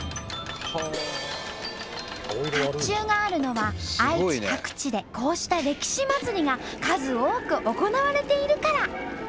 甲胄があるのは愛知各地でこうした歴史祭りが数多く行われているから。